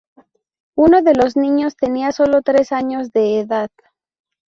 Uno de los niños tenía solo tres años de edad.